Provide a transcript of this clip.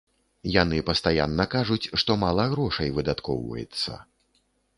Яны пастаянна кажуць, што мала грошай выдаткоўваецца.